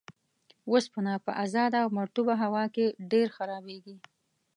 اوسپنه په ازاده او مرطوبه هوا کې ډیر خرابیږي.